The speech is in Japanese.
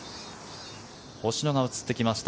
星野が映ってきました